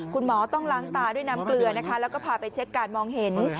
คุณหมอต้องล้างตาด้วยน้ำเกลือนะคะแล้วก็พาไปเช็คการมองเห็น